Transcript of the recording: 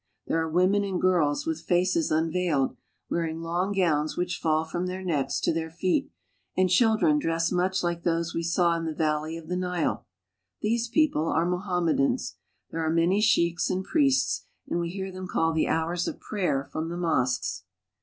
There are women and girls, with faces unveiled, wearing long gowns which fall from their necks to their feet, and t children dressed much like tho.se we saw in the valley of the Nile. These people are Mohammedans. There are many sheiks and priests, and we hear them call the hours of prayer from the mosques.